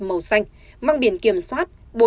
màu xanh mang biển kiểm soát